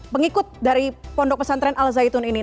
pengikut dari pondok pesantren al zaitun ini